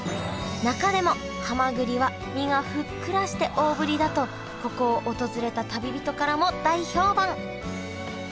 中でもはまぐりは身がふっくらして大ぶりだとここを訪れた旅人からも大評判。